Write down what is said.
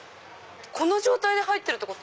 この状態で入ってるってこと？